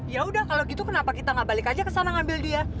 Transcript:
yaudah kalau gitu kenapa kita nggak balik aja ke sana ngambil dia